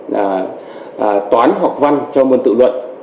là toán học văn cho môn tự luận